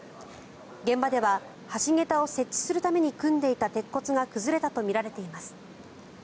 現場では橋桁を設置するために組んでいた鉄骨が崩れたとみられています。